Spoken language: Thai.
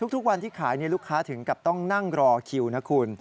ทุกวันที่ขายลูกค้าถึงกับต้องนั่งรอคิวนะคุณ